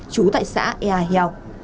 trú tại xã ea heo